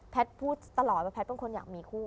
พูดตลอดว่าแพทย์เป็นคนอยากมีคู่